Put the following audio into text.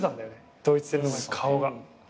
ドイツ戦の前顔が。